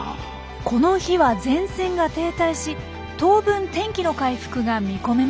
この日は前線が停滞し当分天気の回復が見込めませんでした。